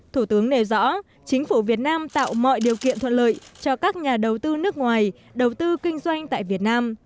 thủ tướng nề rõ chính phủ việt nam tạo mọi điều kiện thuận lợi cho các nhà đầu tư nước ngoài đầu tư kinh doanh tại việt nam